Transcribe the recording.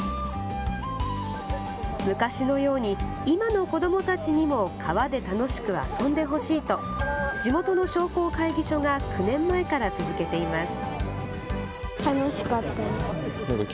昔のように今の子どもたちにも川で楽しく遊んでほしいと地元の商工会議所が９年前から続けています。